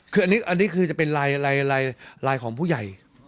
คืออันนี้คือจะเป็นลายของผู้ใหญ่